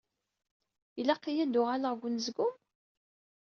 Ilaq-iyi ad uɣaleɣ deg unezgum?